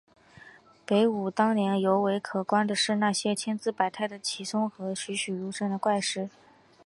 北武当山尤为可观的是那些千姿百态的奇松和栩栩如生的怪石。